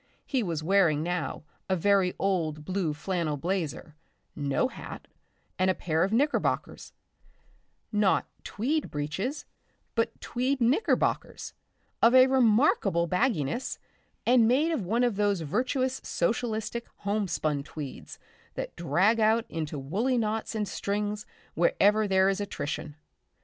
He was wearing now a very old blue flannel blazer, no hat, and a pair of knickerbockers, not tweed breeches but tweed knickerbockers of a remarkable bagginess, and made of one of those virtuous socialistic homespun tweeds that drag out into woolly knots and strings wherever there is attrition.